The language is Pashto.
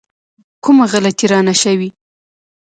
کومه غلطي رانه شوې.